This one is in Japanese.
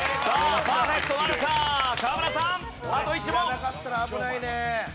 知らなかったら危ないね。